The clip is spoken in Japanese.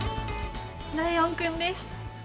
ライオンくんです。